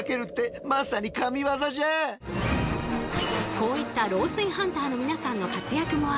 こういった漏水ハンターの皆さんの活躍もあり